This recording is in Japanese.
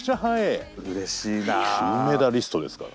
金メダリストですから。